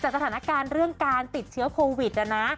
สถานการณ์เรื่องการติดเชื้อโควิดนะนะ